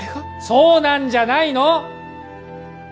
そうなんじゃないの？